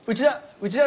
内田！